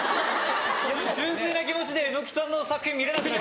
純粋な気持ちで榎木さんの作品見れなくなる！